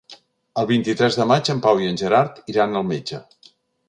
El vint-i-tres de maig en Pau i en Gerard iran al metge.